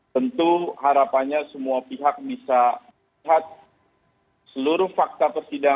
tentu harapannya semua pihak bisa lihat seluruh fakta persidangan